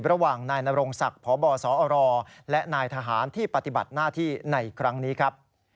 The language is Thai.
ระหว่างนายนรงศักดิ์พบสอรและนายทหารที่ปฏิบัติหน้าที่ในครั้งนี้ครับ